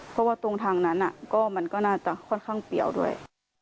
เพราะว่าตรงทางนั้นก็ค่อนข้างเปรี้ยวด้วย